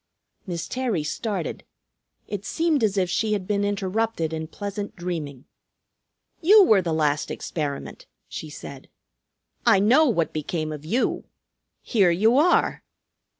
Miss Terry started. It seemed as if she had been interrupted in pleasant dreaming. "You were the last experiment," she said. "I know what became of you. Here you are!"